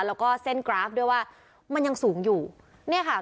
แล้วก็เส้นกราฟด้วยว่ามันยังสูงอยู่เนี่ยค่ะ